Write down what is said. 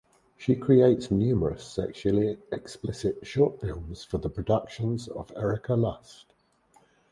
She creates numerous sexually explicit short films for the productions of Erika Lust.